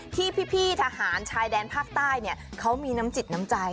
ที่พี่ทหารชายแดนภาคใต้เขามีน้ำจิตน้ำใจ